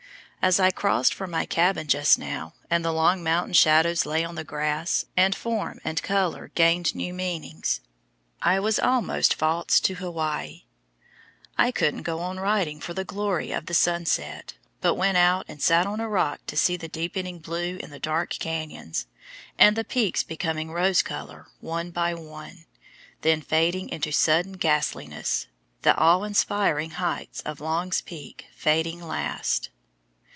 As I crossed from my cabin just now, and the long mountain shadows lay on the grass, and form and color gained new meanings, I was almost false to Hawaii; I couldn't go on writing for the glory of the sunset, but went out and sat on a rock to see the deepening blue in the dark canyons, and the peaks becoming rose color one by one, then fading into sudden ghastliness, the awe inspiring heights of Long's Peak fading last.